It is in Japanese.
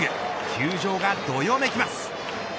球場がどよめきます。